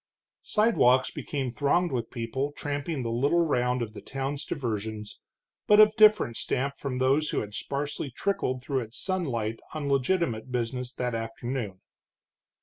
Sidewalks became thronged with people tramping the little round of the town's diversions, but of different stamp from those who had sparsely trickled through its sunlight on legitimate business that afternoon.